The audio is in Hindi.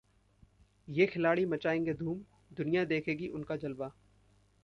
ये खिलाड़ी मचाएंगे धूम, दुनिया देखेगी उनका जलवा